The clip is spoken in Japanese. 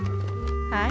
はい。